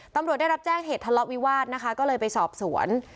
ตำรวจได้รับแจ้งเหตุทะเลาะวิวาสนะคะก็เลยไปสอบสวน